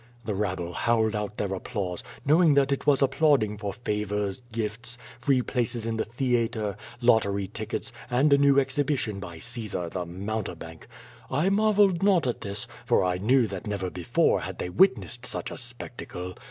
'' The rabble howled out their applause, knowing that it was applauding for favors, gifts, free places in the theatre, lottery tickets, and a new exhibition by Caesar, the mounte bank. I marveled not at this, for I knew that never before had they witnessed such a spectacle.